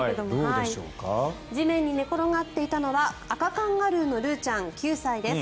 地面に寝転がっていたのはアカカンガルーのルーちゃん９歳です。